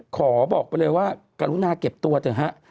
ขอบอกไปเลยว่ากรุณาเก็บตัวเถอะฮะ